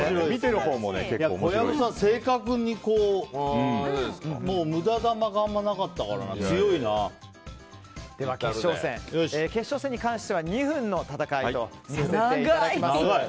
小籔さん、正確に無駄玉があんまりなかったからでは、決勝戦に関しては２分の戦いとさせていただきます。